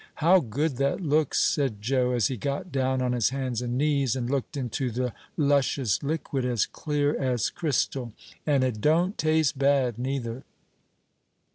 "How good that looks!" said Joe, as he got down on his hands and knees, and looked into the luscious liquid, as clear as crystal; "and it don't taste bad, neither."